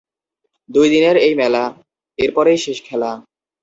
দুই দিনের এই মেলা, এরপরেই শেষ খেলা।